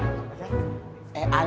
kayanya apa opa devin ngerti